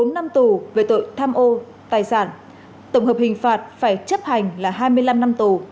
bốn năm tù về tội tham ô tài sản tổng hợp hình phạt phải chấp hành là hai mươi năm năm tù